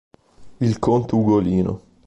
Il conte Ugolino